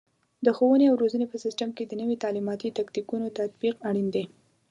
د ښوونې او روزنې په سیستم کې د نوي تعلیماتي تکتیکونو تطبیق اړین دی.